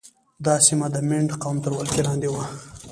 دا سیمه د مینډ قوم تر ولکې لاندې وه.